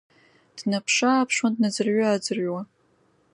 Днаԥшы-ааԥшуан, днаӡырҩы-ааӡырҩуа.